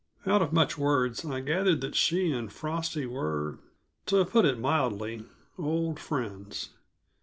Out of much words, I gathered that she and Frosty were, to put it mildly, old friends.